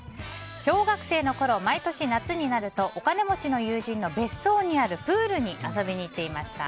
小学生のころ、毎年夏になるとお金持ちの友人の別荘にあるプールに遊びに行っていました。